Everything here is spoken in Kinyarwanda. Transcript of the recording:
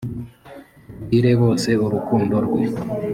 tubwire bose urukundo rwe